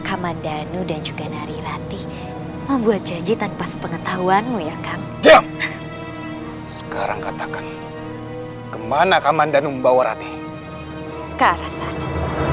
kamandanu membawa narirati pergi